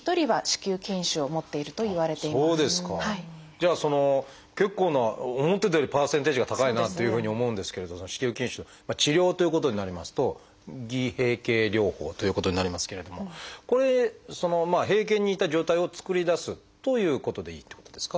じゃあその結構な思ってたよりパーセンテージが高いなというふうに思うんですけれどその子宮筋腫の治療ということになりますと偽閉経療法ということになりますけれどもこれ閉経に似た状態を作り出すということでいいってことですか？